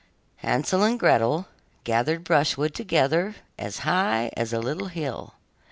Hansel and Gretel gathered brushwood together, as high as a little hill.